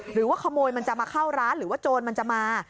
หรือว่าขโมยมันจะมาเข้าร้านหรือว่าโจรมันจะมา